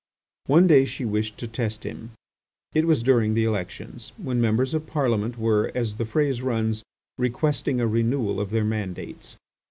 One day she wished to test him. It was during the elections, when members of Parliament were, as the phrase runs, requesting a renewal of their mandates.